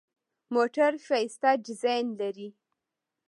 موټر ښایسته ډیزاین لري.